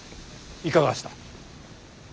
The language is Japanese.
いかがした。